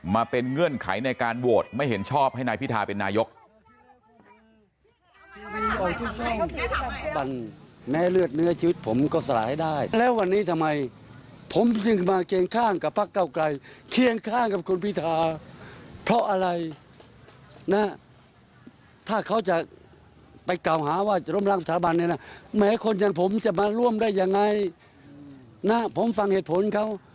มาเป็นเงื่อนไขในการโหวตไม่เห็นชอบให้นายพิทาเป็นนายก